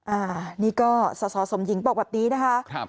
อ่านี่ก็สสมหญิงบอกวันนี้นะคะ